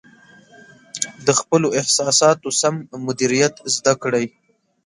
د خپلو احساساتو سم مدیریت زده کړئ.